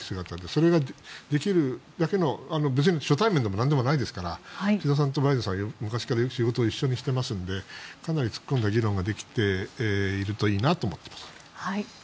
それができるだけの別に初対面でもなんでもないですから岸田さんとバイデンさんは昔から仕事をしてますのでかなり突っ込んだ議論ができているといいなと思っています。